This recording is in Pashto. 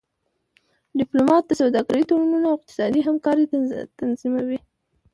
ډيپلومات د سوداګری تړونونه او اقتصادي همکاری تنظیموي.